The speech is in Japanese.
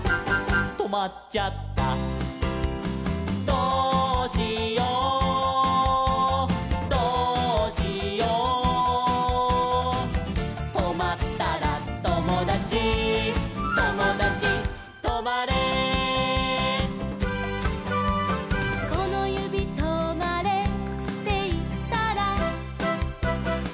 「どうしようどうしよう」「とまったらともだちともだちとまれ」「このゆびとまれっていったら」